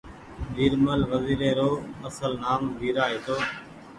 ويرمل وزير ري رو اصل نآم ويرا هيتو